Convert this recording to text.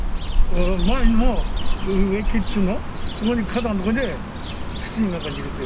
前の植木っていうの、そこに、花壇の上で、土の中に入れて。